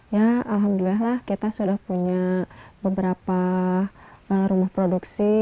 ya alhamdulillah kita sudah punya beberapa rumah produksi